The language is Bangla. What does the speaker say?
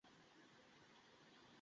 তাদের আলাদা করব।